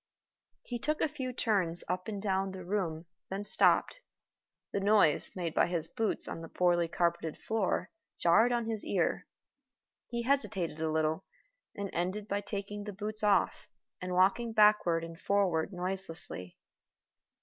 He took a few turns up and down the room, then stopped. The noise made by his boots on the poorly carpeted floor jarred on his ear. He hesitated a little, and ended by taking the boots off, and walking backward and forward noiselessly.